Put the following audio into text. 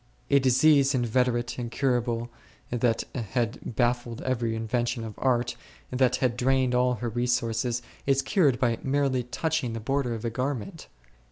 A disease inveterate, incurable, that had baffled every invention of art, that had drained all her resources, is cured by merely touching the border of a garment